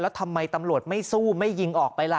แล้วทำไมตำรวจไม่สู้ไม่ยิงออกไปล่ะ